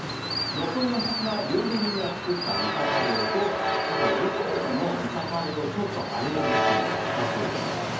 残りの２つは料理人が作ったイカカレーとあとレトルトのイカカレーをちょっとアレンジしたものだそうです。